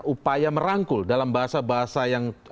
upaya merangkul dalam bahasa bahasa yang